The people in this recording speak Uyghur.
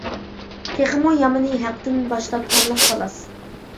تېخىمۇ يامىنى ھەقتىن باش تارتقانلىق خالاس.